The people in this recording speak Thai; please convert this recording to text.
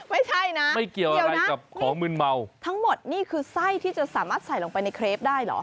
ไม่ใช่นะเดี๋ยวนะทั้งหมดนี่คือไส้ที่จะสามารถใส่ลงไปในเคล็ปได้หรือ